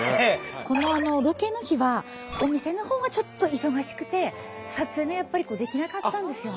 このロケの日はお店のほうはちょっと忙しくて撮影ができなかったんですよね。